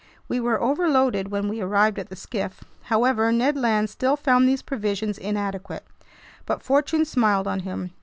We were overloaded when we arrived at the skiff. However, Ned Land still found these provisions inadequate. But fortune smiled on him.